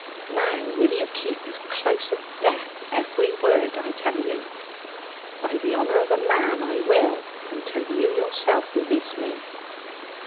Now will you keep, as close as death, every word I tell you?' 'By the honour of a man, I will. Until you yourself release me.'